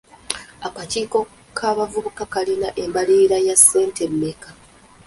Akakiiko k'abavubuka kalina embalirira ya ssente mmeka?